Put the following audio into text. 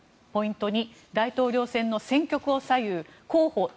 ポイント２大統領選の戦局を左右候補